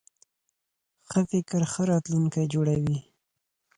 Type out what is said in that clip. ښه فکر ښه راتلونکی جوړوي.